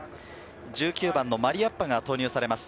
１９番のマリアッパが投入されます。